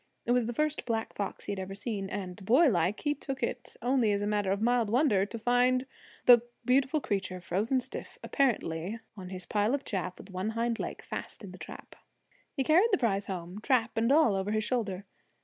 It was the first black fox he had ever seen, and, boylike, he took it only as a matter of mild wonder to find the beautiful creature frozen stiff, apparently, on his pile of chaff with one hind leg fast in the trap. He carried the prize home, trap and all, over his shoulder.